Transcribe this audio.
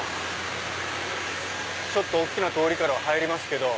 ちょっと大きな通りからは入りますけど。